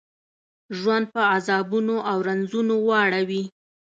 ژوند په عذابونو او رنځونو واړوي.